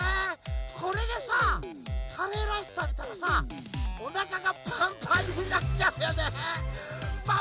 これでさカレーライスたべたらさおなかがパンパンになっちゃうよね！